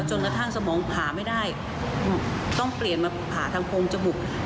จนกระทั่งสมองผ่าไม่ได้ต้องเปลี่ยนมาผ่าทางโพงจมูก